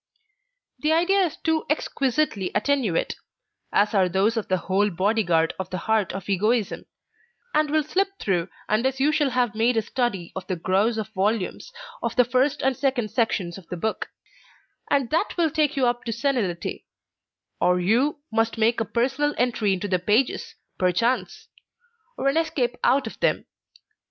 The idea is too exquisitely attenuate, as are those of the whole body guard of the heart of Egoism, and will slip through you unless you shall have made a study of the gross of volumes of the first and second sections of The Book, and that will take you up to senility; or you must make a personal entry into the pages, perchance; or an escape out of them.